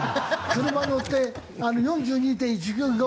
車乗って４２．１９５